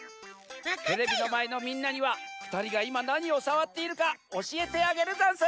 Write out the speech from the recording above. テレビのまえのみんなにはふたりがいまなにをさわっているかおしえてあげるざんす。